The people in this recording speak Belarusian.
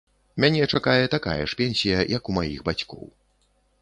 Мяне чакае такая ж пенсія, як у маіх бацькоў.